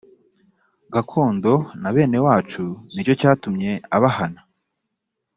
gakondo na bene wacu ni cyo cyatumye abahana